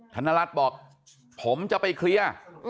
ธนรัฐบอกผมจะไปเคลียร์